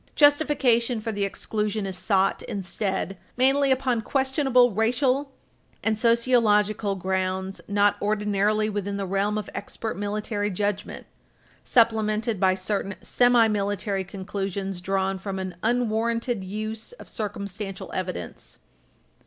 Justification for the exclusion is sought, instead, mainly upon questionable racial and sociological grounds not Page 323 U. S. 237 ordinarily within the realm of expert military judgment, supplemented by certain semi military conclusions drawn from an unwarranted use of circumstantial evidence.